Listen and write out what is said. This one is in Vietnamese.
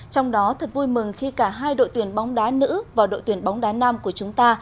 trong đó thật vui mừng khi cả hai đội tuyển bóng đá nữ và đội tuyển bóng đá nam của chúng ta